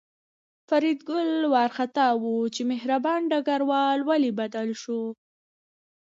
فریدګل وارخطا و چې مهربان ډګروال ولې بدل شو